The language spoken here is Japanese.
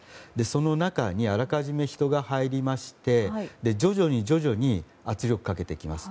その中にあらかじめ人が入りまして徐々に圧力をかけていきます。